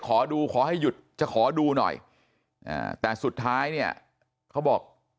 ขอดูขอให้หยุดจะขอดูหน่อยแต่สุดท้ายเนี่ยเขาบอก